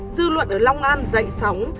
dư luận ở long an dạy sóng